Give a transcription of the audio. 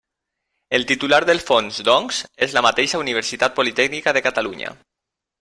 El titular del fons, doncs, és la mateixa Universitat Politècnica de Catalunya.